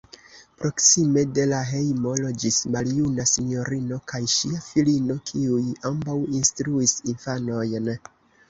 Proksime de la hejmo loĝis maljuna sinjorino kaj ŝia filino, kiuj ambaŭ instruis infanojn.